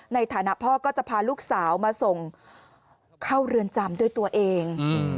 ในฐานะพ่อก็จะพาลูกสาวมาส่งเข้าเรือนจำด้วยตัวเอง